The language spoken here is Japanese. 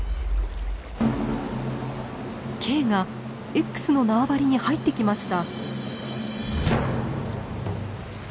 ＫがＸの縄張りに入ってきました。